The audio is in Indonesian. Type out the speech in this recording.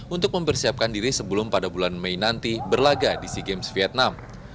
untuk mempersiapkan diri sebelum pada bulan mei nanti berlaga di sea games vietnam